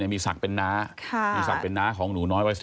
เด็กเป็นซักเป็นนะของหนูน้อยวัย๑๑